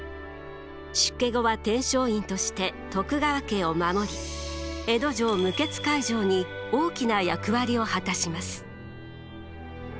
出家後は天璋院として徳川家を守り江戸城無血開城に大きな役割を果たします。